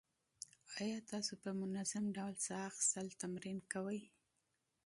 ایا تاسو په منظم ډول ساه اخیستل تمرین کوئ؟